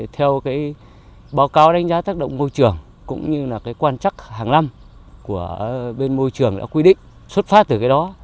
theo báo cáo đánh giá tác động môi trường cũng như là quan trắc hàng năm của bên môi trường đã quy định xuất phát từ cái đó